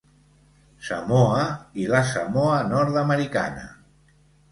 Samoa i la Samoa Nord-americana.